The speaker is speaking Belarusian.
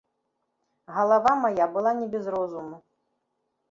Галава мая была не без розуму.